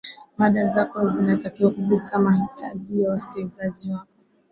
mada zako zinatakiwa kugusa mahitaji ya wasikilizaji wako